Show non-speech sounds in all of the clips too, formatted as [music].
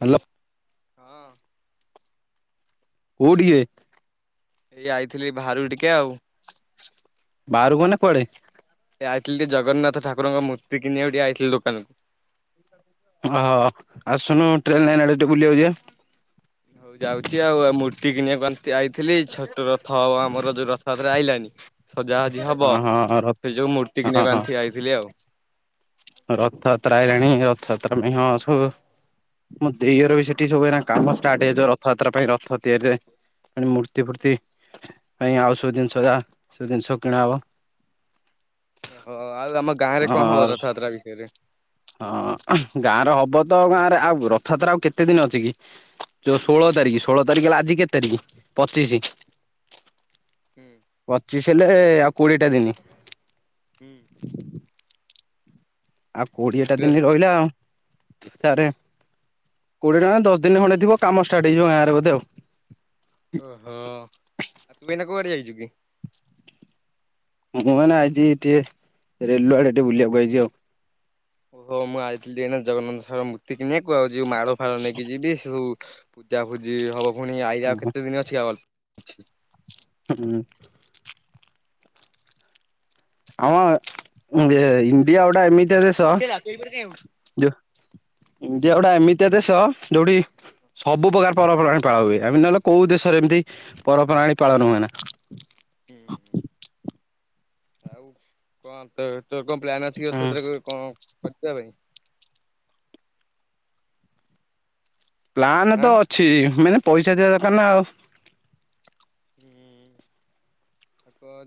Hello. ହଁ। କୋଉଟି କିରେ? ଏଇ ଆଇଥିଲି ବାହାରୁକୁ ଟିକେ ଆଉ। ବାହାରକୁ ମାନେ, କୁଆଡେ? ସେ ଆଇଥିଲିକେ ଜଗନ୍ନାଥଠାକୁରଙ୍କ ମୂର୍ତ୍ତି କିଣିବାକୁ ଟିକେ ଆଇଥିଲେ ଦୋକାନ। ଓହୋ ଆସୁନୁ ଟ୍ରେନ୍ ନାଇନ ଆଡେ ଟିକେ ବୁଲିବାକୁ ଯିବା। ହଉ ଯାଉଛି ଆଉ, ଆଉ ମୂର୍ତ୍ତି କିଣିବା ଆସ ଆଇଥିଲି। [unintelligible] ହଉ ଆମର ଯେଉଁ ରଥଯାତ୍ରା ଆଇଲାନି। ସଜା ଆଜି ହବ, ଓହୋ ରଥ ସେ ଯୋଉ ମୂର୍ତ୍ତି ହଁ ହଁ କିଣିବାକୁ ଆଣି ଆଇଥିଲି ଆଉ। ରଥଯାତ୍ରା ଆଇଲାଣି, ରଥଯାତ୍ରା ପାଇଁ ହଁ। [unintelligible] ମୋ ଦେଇ ଘର ବି ସେଠି ସବୁ ଏନା କାମ ଷ୍ଟାର୍ଟ ହେଇଯାଇ ଥିବ ରଥଯାତ୍ରା ପାଇଁ ରଥ ତିଆରିରେ। ମୂର୍ତ୍ତି ଫୂର୍ତ୍ତି ପାଇଁ ଆଉ ସବୁ ଜିନିଷ ଯା, ସବୁ ଜିନିଷ କିଣା ହବ। ଓହୋ ଆଉ ତମ ଗାଁ ରେ କଣ ହବ ହଁ ରଥଯାତ୍ରା ବିଷୟରେ। ହଁ ଗାଁରେ ହବ ତ ଗାଁରେ, ଆଉ ରଥଯାତ୍ରା ଆଉ କେତେ ଦିନ ଅଛି କି? ଯୋଉ ଷୋହଳ ତାରିଖ ଷୋହଳ ତାରିଖ, ହେଲା ଆଜି କେତେ ତାରିଖ ପଚିଶି। ହୁଁ। ପଚିଶ ହେଲେ ଆଉ କୋଡିଏଟା ଦିନି। ହୁଁ। ଆଉ ଓହୋ କୋଡ଼ିଏଟା ଦିନ ରହିଲା ଆଉ। [unintelligible] କୋଡିଏ ଟଙ୍କା ଦଶ ଦିନ ଖଣ୍ଡେ ଥିବ କାମ ଷ୍ଟାର୍ଟ ହେଇଯିବ ଗାଁରେ ବୋଧେ ଆଉ। ଓହୋ, ଆଉ ତୁ ଏନା କୁଆଡେ ଯାଇଛୁ କି। ହଁ ମୁଁ ମାନେ ଆଜି ଟିକେ ରେଲ ଆଡେ ଟିକେ ବୁଲିବାକୁ ଆଇଛି ଆଉ। ଓହୋ ମୁଁ ଆଇଥିଲି ଏଇନା ଜଗନ୍ନାଥ ସାର ମୂର୍ତ୍ତି କିଣିବାକୁ, ଆଉ ଯୋଉ ମାଳ ଫାଳ ନେଇକି ଯିବି ସେ ସବୁ। ପୂଜା ଫୂଜି ହବ ପୁଣି, ଆଇଆାଉ ହୁଁ କେତେ ଦିନ ଅଛି [unintelligible] [unintelligible] ଆମ ଇଣ୍ଡିଆ ଗୋଟେ ଏମିତି ଦେଶ ଯୋଉ ଇଣ୍ଡିଆ ଗୋଟା ଏମିତିଆ ଦେଶ ଯୋଉଠି ସବୁ ପ୍ରକାର ପରପର୍ବାଣୀ ପାଳନ ହୁଏ। ଏମିତି ନହେଲେ କୋଉ ଦେଶରେ ଏମିତି ପରପର୍ବାଣୀ ପାଳନ ହୁଏ ନା। ହମ୍ ଆଉ କଣ [unintelligible] ତୋର କଣ ପ୍ଲାନ ଅଛି କି ହୁଁ ରଥ ଯାତ୍ରା [unintelligible] ପାଇଁ? ପ୍ଲାନ ତ ଆଁ? ଅଛି ମାନେ ପଇସା ଥିବା ଦରକାର ନା ଆଉ।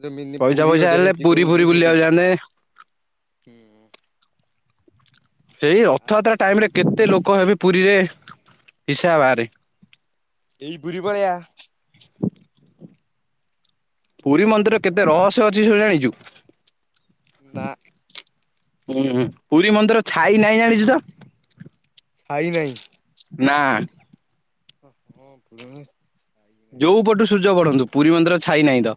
ଜମିନୀ ପଇସା ପୁରୀ ଫଇସା ଗୋଟେ ହେଲେ ହେଇଛି ପୁରୀ ଫୁରୀ କୋଠି ବୁଲିବାକୁ ସେଠିଜୀବି ଯାଆନ୍ତେ। ସେଇ ରଥଯାତ୍ରା ଆଜି ଟାଇମ୍ ରେ କେତେ ଲୋକ ହେବେ ପୁରୀରେ ଇସା ବାହାରେ ଏଇ ପୁରୀ ପଳେଇ ଆ ପୁରୀ ମନ୍ଦିର କେତେ ରହସ୍ୟ ଅଛି ସବୁ ଜାଣିଚୁ। ବା ହୁଁ ହୁଁ ପୁରୀ ମନ୍ଦିର ଛାଇ ନାଇଁ ଜାଣିଚୁ ତ ଛାଇ ନାହିଁ ନା ହଁ ଭଲ ଯୋଉ ପଟୁ ସୂର୍ଯ୍ୟ ଗଢନ୍ତୁ ପୁରୀ ମନ୍ଦିର ଛାଇ ନାଇଁ ତ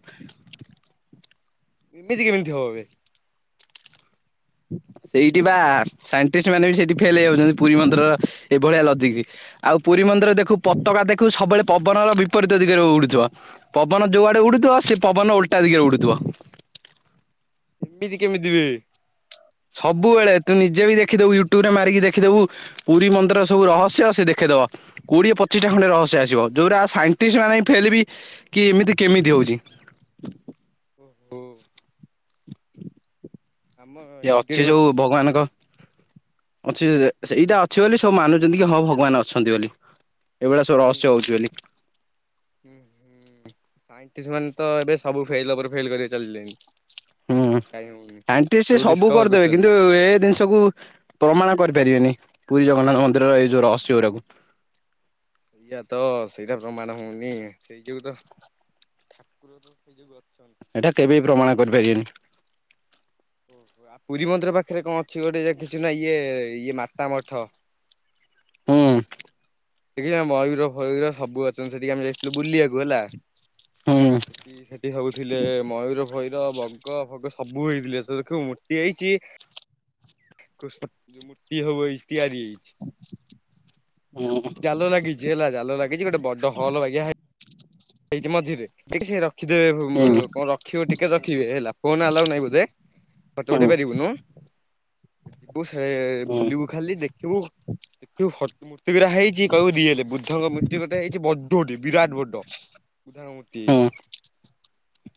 ଏମିତି କେମିତି ହବ ବେ ସେଇଠି ବା ସାଇଣ୍ଟିସ୍ଟ ମାନେ ବି ସେଇଠି ଫେଲ୍ ହେଇଯାଉଛନ୍ତି ପୁରୀ ମନ୍ଦିରର ଏଇଭଳିଆ ଲଜିକୀ ଆଉ ପୁରୀ ମନ୍ଦିର ଦେଖୁ ପତାକା ଦେଖୁବୁ ସବୁବେଳେ ପବନର ବିପରୀତ ଦିଗରେ ଉଡୁଥିବ। ପବନ ଯୋଉଆଡେ ଉଡୁଥିବ ସେ ପବନ ଓଲଟା ଦିଗରେ ଉଡୁଥିବ। ଏମିତି କେମିତି ବେ ସବୁବେଳେ ତୁ ନିଜେ ବି ଦେଖିଦବୁ ୟୁଟ୍ୟୁବୁ ରେ ମାରିକି ଦେଖିଦବୁ ପୁରୀ ମନ୍ଦିର ସବୁ ରହସ୍ୟ ସେ ଦେଖେଇଦବ। କୁଡିଏ ପଚିଶ୍ ଟା ଖଣ୍ଡେ ରହସ୍ୟ ଆସିବ ଯୋଉ ଗୁରା ସାଇଣ୍ଟିସ୍ ମାନେ ଫେଲେବି କି ଏମିତି କେମିତି ହଉଚି। ଓ ଆମ ଇଏ ଇଣ୍ଡିଆରେ ଅଛି ହୁଁ ଯୋଉ ଭଗବାନଙ୍କ ଅଛି ଜେଜେ ସେଇଟା ଅଛି ବୋଲି ସବୁ ମାନୁଛନ୍ତି କି ହଁ ଭଗବାନ ଅଛନ୍ତି ବୋଲି। ଏ ଭଳିଆ ସବୁ ରହସ୍ୟ ହଉଚି ବୋଲି ଉଁ ହୁଁ ସାଇଣ୍ଟିସ୍ ମାନେ ତ ଏବେ ସବୁ ଫେଲ୍ ଉପରେ ଫେଲ୍ କରି ଚାଲିିଲେଣୀ। ଉଁ ସାଇଣ୍ଟିସି ସବୁ ଡିସକଭର କରିଦେବେ କରୁଛନ୍ତି। କିନ୍ତୁ ଏ ଜିନି ଷକୁ ପ୍ରମାଣ କରିପାରିବେନି ପୁରୀ ଜଗନ୍ନାଥ ମନ୍ଦିରର ଏଇ ଯୋଉ ରହସ୍ୟ ଗୁଡାକୁ। ସେଇଆ ତ ସେଇଟା ପ୍ରମାଣ ହଉନି ସେଇ ଯୋଗୁ ତ ଠାକୁର ତ ସେଇ ଯୋଗୁ ଅଛନ୍ତି। ଏଇଟା କେବେ ବି ପ୍ରମାଣ କରିପାରିବେନି? ଓ ପୁରୀ ମନ୍ଦିର ପାଖରେ କଣ ଅଛି ଗୋଟେ ଦେଖିଚୁ ନା ଇଏ ଇଏ ମାତା ମଠ? ହୁଁ। ଦେଖିଛ ମୟୂର ଫୟୁର ସବୁ ଅଛନ୍ତି ସେଠିକି ଆମେ ଯାଇଥିଲୁ ବୁଲିବାକୁ ହେଲା। ହୁଁ ସେଠି ସେଠି ହଉଥିଲେ ମୟୂର ଫୟୂର ବ ଵଗ ଫୋଗ ସବୁ ହେଇଥିଲେ ଦେଖିବୁ ମୂର୍ତ୍ତି ହେଇଛି କୃଷ୍ଣ ମୂର୍ତ୍ତି ସବୁ ତିଆରି ହୋଇଛି। ହୁଁ। ଜାଲ ଲାଗିଛି ହେଲା ଜାଲ ଲାଗିଛି ଗୋଟେ ବଡ ହଲ୍ ବାଗିଆ ହେଇଛି ମଝିରେ ଟେଖି ରଖିଦେବେ ହୁଁ କଣ ଖିବୁ ଟିକେ ରଖିବେ ହେଲା ଫୋନ ଆଲାଓ ନାହିଁ ବୋଧେ ଫଟୋ ହୁଁ ଉଠେଇ ପାରିବୁନୁ? ଯିବୁ ସେ ହୁଁ ବୁଲିବୁ ଖାଲି ଦେଖିବୁ ଦେଖିବୁ ହଁ ମୂର୍ତ୍ତି ଗୁରା ହେଇଛି କହିବୁ ରି ଏଲ୍ ବୁଦ୍ଧଙ୍କ ମୂତ୍ତି ଗୋଟେ ହେଇଛି ବଡ଼ ଟେ ବିରାଟ ବଡ। ନା ମୂତି ହୁଁ ହେଇଚି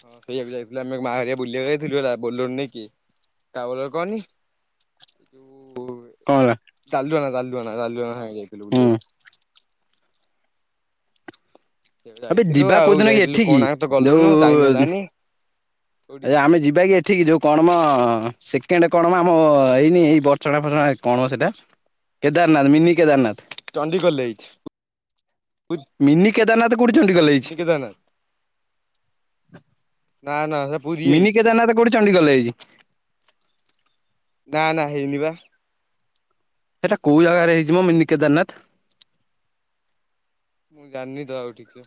ହଁ ସେଇଆକୁ ଯାଇଥିଲୁ ଆମେ ମାହାଳିଆ ବୁଲିବାକୁ ଯାଇଥିଲୁ ହେଲା ବୋଲର ନେଇକି। ଟ୍ରାଭେଲ ର କରନି ଉ କଣ ହେଲା? ଗାଲୁଆଣ ଗାଲୁଆଣ ରାଲୁଆଣ ଯାଇଥିଲୁ ହୁଁ ବୁଲିବାକୁ। ସେଆକୁ ଏବେ ଯାଇଥିଲୁ ଯିବା ଆଉ କୋଉଦିନ ଯାଇଥିଲୁ ଏଠିକି କୋଣାର୍କ ତ ଗଲୁନୁ ଟାଇମ ଯୋଉ ହେଲାନି ଏ କୋଉଠିକି ଆମେ ଯିବା କି ଏଠି ଏଠିକି ଯୋଉଁ କଣ ମ ସେକେଣ୍ଡ କଣ ମ ଆମ ଏଇନି ବର୍ଚଣା ର୍ଫଚଣା କଣ ସେଇଟା? କେଦାରନାଥ ମିନି କେଦାରନାଥ। ଚଣ୍ଡିଖୋଲରେ ହେଇଛି। ପୁରୀ ମିନି କେଦାରନାଥ କୋଉଁଠି ଚଣ୍ଡିଖୋଲରେ ହେଇଛି? ମିନି କେଦାରନାଥ ନା ନା ସେ ପୁରୀ ମିନି ହେଇଛି। କେଦାରନାଥ କୋଉଁଠି ଚଣ୍ଡିଖୋଲରେ ହେଇଛି? ନା ନା ହେଇନି ବା। ସେଇଟା କୋଉଁ ଜାଗାରେ ହେଇଚି ମ ମିନି କେଦାରନାଥ? ମୁଁ ଜାଣିନି ତାହେଲେ ଠିକ ସେ।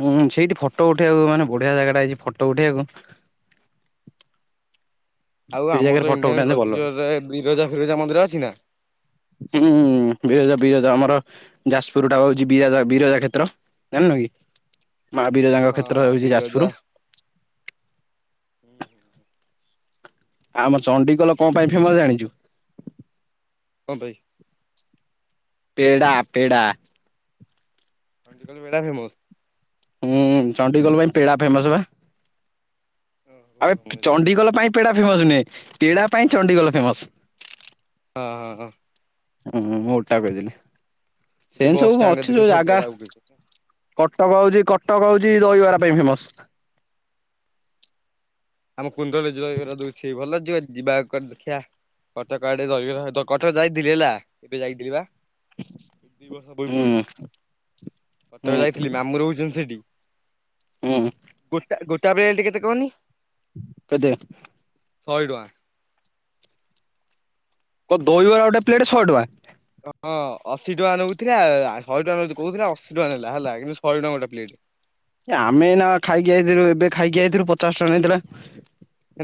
ଉୁଁ ଉୁଁ ସେଇଠି ଫଟୋ ଉଠେଇବାକୁ ମାନେ ବଢ଼ିଆ ଜାଗାଟା ହେଇଛି ଫଟୋ ଉଠେଇବାକୁ। ଆଉ ସେଇ ଆମର ଜାଗାରେ ତ ଫଟୋ ଇଣ୍ଡିଆନ ଉଠାନ୍ତେ ଭଲ କଲଚର ର ବିରଜା ଫିରଜା ମନ୍ଦିର ଅଛି ନା? ହୁଁ ବିରଜା ଫିରଜା ଆମର ଯାଜପୁର ଟା ହଉଛି ବିରଜା ବିରଜା କ୍ଷେତ୍ର ଜାଣିନ କି? ମା ବିରଜାଙ୍କ କ୍ଷେତ୍ର ହେଉଛି ଯାଜପୁର। ହୁଁ ହୁଁ। ଆମ ଚଣ୍ଡିଖୋଲ କଣ ପାଇଁ ଫେମସ ଜାଣିଛୁ? କଣ ପାଇଁ? ପେଡ଼ା ପେଡ଼ା। ଚଣ୍ଡିଖୋଲରେ ପେଡ଼ା ଫେମସ? ହୁଁ ଚଣ୍ଡିଖୋଲ ପାଇଁ ପେଡ଼ା ଫେମସ୍ ବା। ଓହୋ ଆବେ ମୁଁ ଜାଣିନି ଚଣ୍ଡିଖୋଲ ପାଇଁ ପେଡ଼ା ଫେମସ ନୁହେଁ ପେଡ଼ା ପାଇଁ ଚଣ୍ଡିଖୋଲ ଫେମସ୍। ହଁ-ହଁ-ହଁ। ହୁଁ ମୁଁ ମୁଁ ଓଲଟା କହିଥିଲ। ସେଠି ସେମିତି ବସ୍ ସବୁ ଷ୍ଟାଣ୍ଡରେ ଅଛି ଦେଖିବ ସବୁ ଜାଗା। ପେଡା ବିକୁଛି। କଟକ ହଉଛି କଟକ ହଉଛି ଦହିବରା ପାଇଁ ଫେମସ୍। ଆମ କୁଣ୍ଡଳୀ ଦହିବାର ଦଉଛି ଭଲ ଯିବ ଯିବା କୁଆଡ଼େ ଦେଖିବା। କଟକ ଆଡ଼େ ଦହିବରା ଦ କଟକ ଯାଇଥିଲି ହେଲା ଏବେ ଯାଇଥିଲି ବା। ଦୁଇ ଦୁଇ ବର୍ଷ ହୁଁ ପୂର୍ବରୁ ହୁଁ କଟକ ଯାଇ ଥିଲି ମାମୁଁ ରହୁଛନ୍ତି। ସେଠି ହୁଁ ଗୋଟା ଗୋଟାଏ ପେଣ୍ଟ କେତେ କହନି? କେତେ? ଶହେ ଟଙ୍କା। କଣ ଦହିବରା ଗୋଟେ ପ୍ଲେଟ ଶହେ ଟଙ୍କା? ହଁ ଅଶୀ ଟଙ୍କା ନେଉଥିଲା ଶହେ ଟଙ୍କା କହୁଥିଲା ଅଶୀ ଟଙ୍କା ନେଲା ହେଲା କିନ୍ତୁ ଶହେ ଟଙ୍କା ଗୋଟେ ପ୍ଲେଟ। ଆମେ ଏଇନା ଖାଇକି ଆଇଥିଲୁ ଏବେ ଖାଇକି ଆଇଥିଲୁ ପଚାଶ ଟଙ୍କା ନେଇଥିଲା।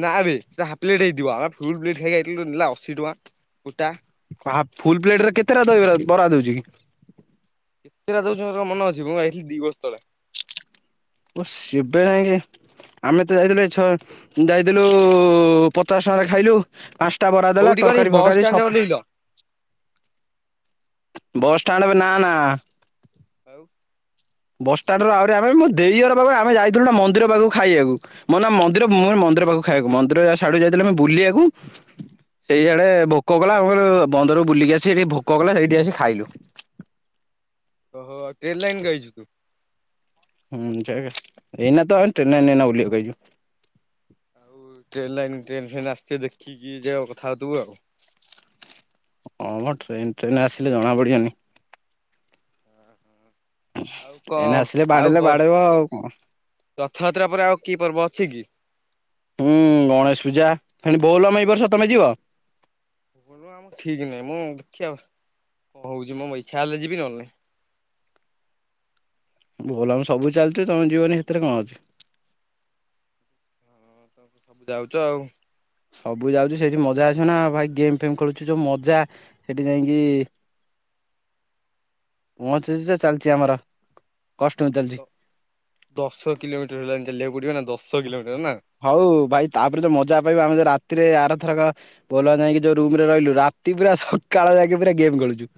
ନାବେ ହାପ୍ ପ୍ଲେଟ୍ ହେଇଥିବା ଆମେ ଫୁଲ ପ୍ଲେଟ୍ ଖାଇକି ଆଇଥିଲୁ ନେଲା ଅଶୀ ଟଙ୍କା ଗୋଟା। ଓହୋ ଫୁଲ୍ ପ୍ଲେଟ ରେ କେତେଟା ଦହିବରା ବରା ଦଉଛି କି? କେତେଟା ଦଉଛି କଣ ମୋର ମନେ ଅଛି ମୁଁ ଯାଇଥିଲି ଦି ବର୍ଷ ତଳେ। ଓ ସେବେ ଖାଇକି ଆସି ଆମେ ତ ଯାଇଥିଲୁ ଏଇ ଛ ଯାଇଥିଲୁ ପଚାଶ ଟଙ୍କାରେ ଖାଇଲୁ। ପାଞ୍ଚଟା ବରା ଦେଲା କୋଉଠି କହନି ତରକାରୀ ବସ୍ ଫରକାରୀ ଷ୍ଟାଣ୍ଡରେ ସଫିସି ଓହ୍ଲେଇଲ? ବସ୍ ଷାଣ୍ଡକୁ ନା ନା। ଆଉ? ବସ୍ ଷାଣ୍ଡ ରୁ ଆହୁରି ଆଗକୁ ଦେଇଘର ପାଖ ଆମେ ଯାଇଥିଲୁ ନା ମନ୍ଦିର ପାଖକୁ ଖାଇବାକୁ। ମୋ ନା ମନ୍ଦିର ମୁ ମନ୍ଦିର ପାଖକୁ ଖାଇବାକୁ ମନ୍ଦିର ସିଆଡୁ ଯାଇଥିଲେ ଆମେ ବୁଲିବାକୁ। ସେଇଆଡେ ଭୋକ କଲା ଆମେ ବନ୍ଦରକୁ ବୁଲିକି ଆସି ସେଠି ଭୋକ କଲା ସେଇଠି ଆସି ଖାଇଲୁ। ଓହୋ ଟ୍ରେନ ଲାଇନ ଯାଇଛୁ କି? ହୁଁ ଜୟଗୁରୁ, ଏଇନା ତ ଟ୍ରେନ ଲାଇନରେ ଏଇନା ଓହ୍ଲେଇବାକୁ ଆଇଚୁ। ଆଉ ଟ୍ରେନ୍ ଲାଇନ୍ ଟ୍ରେନ୍ ଫ୍ରେନ୍ ଆସିବେ ଦେଖିକି ଯାଇିବା କଥା ହେଉଥିବୁ ଆଉ ହଁ ମୋ ଟ୍ରେନ୍ ଟ୍ରେନ ଆସିଲେ ଜଣା ପଡିିବନି। ହୁଁ। ଏନେ ଆସିଲେ ବାଡେଇଲେ ବାଡେଇବ ଆଉ କଣ। ରଥଯାତ୍ରା ପରେ ଆଉ କିଏ ପର୍ବ ଅଛି କି? ହୁଁ ଗଣେଶ ପୂଜା ଫଣି ଭୋଲମ ଏଇ ବର୍ଷ ତମେ ଯିବ ହ ଆ ଠିକ ନାହିଁ ମୁଁ ଦେଖିବା କଣ ହଉଛି ମୁଁ ଇ୍ଛା ହେଲେ ଯିବି ନହେଲେଁ ଭୋଲ ଆମଁ ସବୁ ଚାଲିଛଛି ତମ ଜୀିବନି ସେଥିରେ କଣ ଅଛି। ତ ସବୁ ଯାଉଛ ଆଉ ସବୁ ଯାଉଛି ସେଇଠି ମଜା ଆସିବ ନା ଭାଇ ଗେମ ଫେମ ଖେଳୁଚୁ ଯୋଉ ମଜା ସେଠି ଯାଇକି। ପହଞ୍ଚୁଛି ଚାଲିଛି ଆମର କଷ୍ଟ ଚାଲିଛି। ଦଶ କିଲୋମିଟର ହେଲାଣି ଚାଲିବାକୁ ପଡିବ ନା ଦଶ କିଲୋମିଟର ନା। ହଉ ଭାଇ ତାପରେ ଯଉ ମଜା ପାଇବା ଆମେ ଯ ରାତିରେ ଆରଥରକା। ଭଲ ଯାଇକି ଯୋଉ ରୁମ ରେ ରହିଲୁ ରାତି ପୁରା ସକାଳ ଯାଇକି ପୁରା ଗେମ୍ ଖେଳୁଛୁ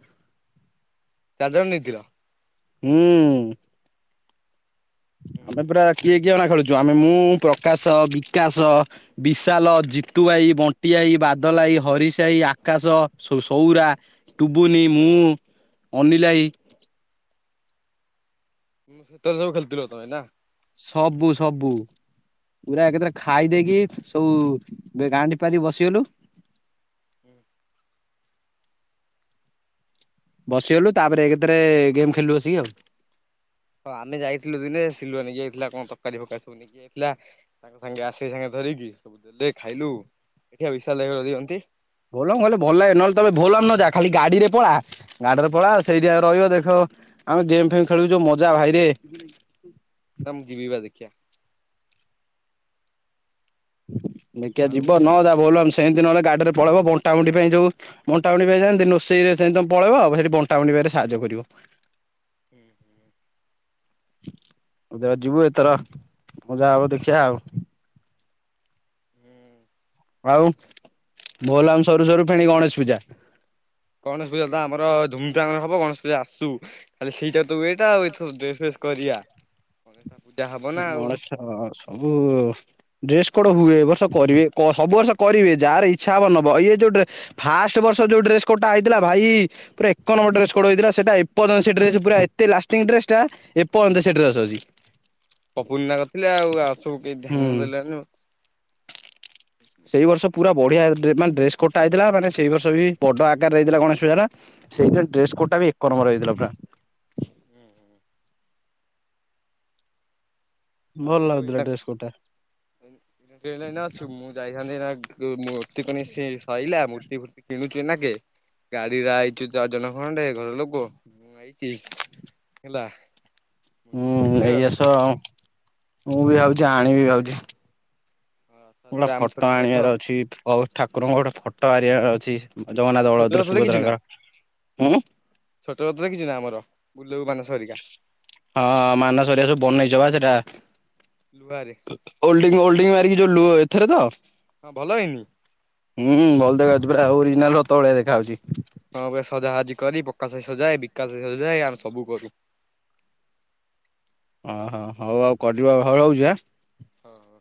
ଚାରି ଜଣ ନେଇଥିଲ। ହୁଁ। ହୁଁ ଆମେ ପୁରା କିଏ କିଏ ଅଣା ଖେଳୁଛୁ ଆମେ ମୁଁ ପ୍ରକାଶ ବିକାଶ। ବିଶାଲ ଜିତୁଆାଇ ବଣ୍ଟିଆାଇ ବାଦଲାଇ ହରିଶାଇ ଆକାଶ ସୌରା। ଟୁବୁନି ମୁଁ ଅନିଲ୍ ଭାଇ। ମୁଁ ସେତରେ ସବୁ ଖେଳିଥିଲ ତମେ ନା। ସବୁ ସବୁ। ପୁରା ଏକଥର ଖାଇ ଦେଇେଇକି ସବୁ ଗାଣ୍ଠି ପାରିକି ବସିଗଲୁ। ହୁଁ। ବସିଗଲୁ ତାପରେ ଏକଥରେ ଗେମ୍ ଖେଳିଲୁ ଆସିକି ଆଉ ହଁ ଆମେ ଯାଇଥିଲୁ ଦିନେ ସିଲୁଆ ନେଇକି ଯାଇଥିଲା କଣ ତରକାରୀ ଫକାରୀ ସବୁ ନେଇକି ଯାଇଥିଲା। ତାଙ୍କ ସାଙ୍ଗେ ଆସେ ସାଙ୍ଗେ ଧରିକି ସବୁ ଦେଲେ ଖାଇଲୁ ଏଠିଆ ବିଶା ଦିଅନ୍ତି। ଭୋଲମ କହଲେ ଭଲ ଲାଗେ ନହେଲେ ତମେ ଭୋଲାମ ନ ଦେ ଖାଲି ଗା ରେ ପଡା। ଗାଡିରେ ପଳା ସେଇଠି ରହିବ ଦେଖ ଆମେ ଗେମ୍ ଫେମ ଖେଳୁଛ ମଜା ଭାଇରେ ନା ମୁଁ ଜିମିିବା ଦେଖିବା। ଦେିକିଆ ଆଉ ଯିବ ନ ଯ ଭଲେ ସେମିତି ନହେଲେ ଗାଡିରେ ପଳେଇବ ବଣ୍ଟା ବନ୍ତି ପାଇଁ ଯୋଉ। ବଣ୍ଟା ବନ୍ତି ଯେମତି ନୋଷେଇରେ ସେତି ତମ ପଳେଇବ ଆଉ ସେଠି ବଣ୍ଟା ବଣ୍ିବାରେ ସାହାଯ୍ୟ କରିବ। ହୁଁ ହୁଁ। ଏତେବେଳେ ଯିବୁ ଏଥର ମଜା ହବ ଦେଖିବା ଆଉ ହୁଁ। ଆଉ ଭଲାମ ସରୁ ସରୁ ଫେଣି ଗଣେଶ ପୂଜା। ଗଣେଶ ପୂଜା ତ ଆମର ଧୁମଧାମରେ ହବ ଗଣେଶ ପୂଜା ଆସୁ- ଖହଲେ ସେଇଟା ତ ଇଟା ଆଉ ଏ ଡ୍ରେସ ଫେସ କରିବା ପୂଜା ହବ ନା ଆଉ। ହ ସବୁ। ଡ୍ରେସ କୋଡ ହୁଏ ଏ ବର୍ଷ କରିବେ ସବୁ ବର୍ଷ କରିବେ ଯାହାର ଇଚ୍ଛା ହବ ନେବ ଇଏ ଯୋଉ ଫାଷ୍ଟ ବର୍ଷ ଯୋଉ ଡ୍ରେସ କୋଡଟା ହେଇଥିଲା ଭାଇ ପୁରା ଏକ ନମ୍ବର ଡେସ କଥିଲା ସେଟା ଏପଯ୍ୟନ୍ତ ସେ ଡ୍ରେସ ପୁରା ଏତେ ଲାଟିଂ ଡ୍ରେସ ଟା। ଏପ ଅନ୍ତ ସେଠିରେସଛି। ପପୁର୍ଣ୍ କରିଥିଲେ ଆଉ ଆଉ ସବୁ କେହି ଧ୍ୟାନ ହୁଁ। ଦେଲଣିି। ସେଇ ବର୍ଷ ପୁରା ବଢିଆାନ ଡ୍ରେସ କୋଟାଇଥିଲା ମାନ ସେଇ ବର୍ଷ ବି ବଡ ଆକାରରେ ହେଇଥିଲା ଗଣେଶ ପୂଜାଟା। ସେଇଥିିନ ଡ୍ରେସ କୋଟା ଏକ ନମର ହେଇଥିଲା ପା। ହୁଁ ହୁଁ। ଭଲ ଲାଗୁଥିଲା ଡ୍ରେସ କୋଟଟା। ହ? ଟେ ଅଛୁ ମୁଁ ଯାଇଥାନ୍ତି ନା ମୂର୍ତ୍ତି କ ସରିଲା ମୂର୍ତ୍ତି ଫୂର୍ତ୍ତି କିଣୁଛୁ ନା କେ ଗାଡିରେ ଆଇଛୁ ଚାର ଜଣ ଖଣ୍ଡେ ଘର ଲୋକ। ମୁଁ ଆଇଚି। ହେଲା ମୂର୍ତ୍ତି ହୁଁ କିଣୁଚୁ ଆଉ ନେଇଆସ। ମୁଁ ବି ଭାବୁଛି ଆଣିବି ଯାଉଛି। ମୋର ରଥଯାତ୍ରା ଆମ ଗୋଟା ଛୋଟ ଫଟୋ ରଥ ଆଣିବାର ଅଛି। ଅ ଠାକୁରଙ୍କ ଗୋଟେ ଫଟୋ ମାରିବାର ଅଛି। ଆମ ଜଗନ୍ନାଥ, ଛୋଟ ବଳଭଦ୍ର, ରଥ ଦେଖିଛୁ ନା? ସୁଭଦ୍ରାଙ୍କର। ହୁଁ ଛୋଟ ବତ ଦେଖିଛୁ ନା ଆମର? ଗୁଲୁ ଆଉ ମାନ ସରିକା। ହଁ ହଁ ମାନସ ଘରିକା ସବୁ ବନେଇଛ ବା ସେଟା। ଲୁହାରେ। ଓଲ୍ଡିଙ୍ଗ ଓଲଡି ମାରିକି ଯୋଉ ଲୁହ ଏଥରେ ତ? ହଁ ଭଲ ହେଇନି? ହୁଁ ଭଲ ଦେଖାଯାଉଛି, ପୁରା ଓରିଜିନାଲ ରଥ ଭଳିଆ ଦେଖାହାଉଛି। ହଁ ପୁରା ସଜା ହଜି କରି, ପକାଶଭାଇ ସଜାଏ, ବିକାଶଭାଇ ସଜାଏ ଆମେ ସବୁ କରୁ। ଅ ହ ହଉ ଆଉ କଟିବ ଆଉ ହଉ ରହୁଛି ଆଁ। ହଉ ହଉ।